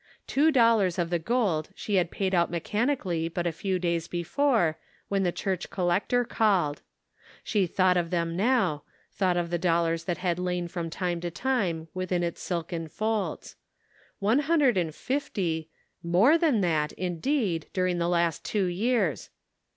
Two dollars of the gold she had paid out mechanically but a few days before, when the church collector called. She thought of them now, thought of the dollars that had lain from time to time within its silken folds. One hundred and fifty, more than that, indeed, during the past two years.